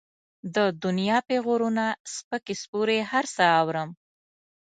د دنيا پېغورونه، سپکې سپورې هر څه اورم.